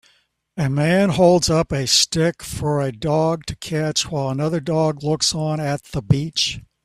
A man holds a stick up for a dog to catch while another dog looks on at the beach